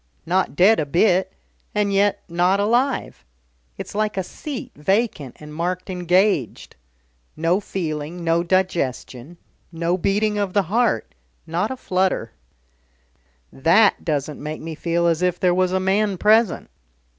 Not dead a bit, and yet not alive. It's like a seat vacant and marked 'engaged.' No feeling, no digestion, no beating of the heart not a flutter. That doesn't make me feel as if there was a man present.